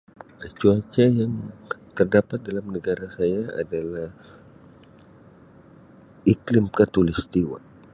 Cuaca yang terdapat dalam negara saya adalah iklim khatulistiwa.